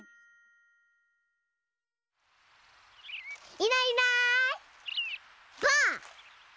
いないいないばあっ！